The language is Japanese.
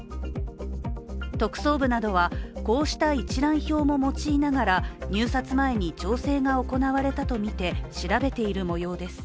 特捜部などは、こうした一覧表も用いながら入札前に調整が行われたとみて調べている模様です。